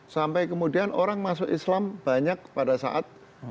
sampai kemudian orang masuk islam banyak pada saat